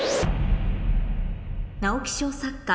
直木賞作家